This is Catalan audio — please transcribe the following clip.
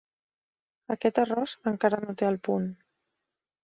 Aquest arròs encara no té el punt.